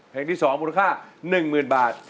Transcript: เพลงที่๒มูลค่า๑๐๐๐บาท